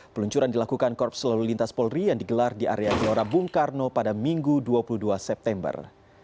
peluncuran dilakukan korps lalu lintas polri yang digelar di area gelora bung karno pada minggu dua puluh dua september